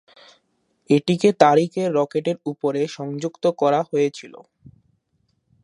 এটিকে তারিখে রকেটের উপরে সংযুক্ত করা হয়েছিল।